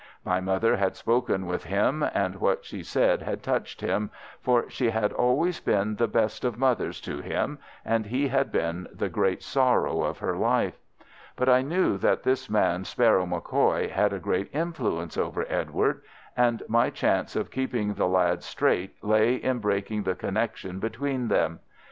My mother had spoken with him, and what she said had touched him, for she had always been the best of mothers to him, and he had been the great sorrow of her life. But I knew that this man Sparrow MacCoy had a great influence over Edward, and my chance of keeping the lad straight lay in breaking the connection between them.